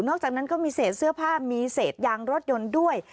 อกจากนั้นก็มีเศษเสื้อผ้ามีเศษยางรถยนต์ด้วย